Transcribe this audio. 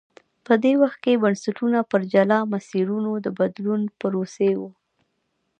په دې وخت کې بنسټونه پر جلا مسیرونو د بدلون پروسې ووه.